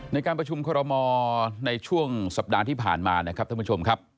ในการประชุมคอรมอลในช่วงสัปดาห์ที่ผ่านมานะครับท่านผู้ชมครับ